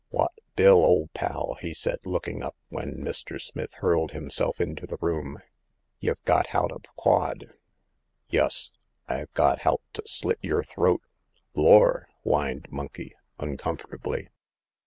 Wot, Bill, ole pal !" he said, looking up when Mr. Smith hurled himself into the room. "YVe got h'out of quod !"'' Yus ! Fve got hout to slit yer throat !"" Lor !" whined Monkey, uncomfortably.